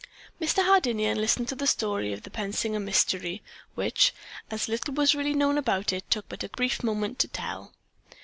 Mr. Hardinian listened to the story of the Pensinger mystery, which, as little was really known about it, took but a brief moment to tell.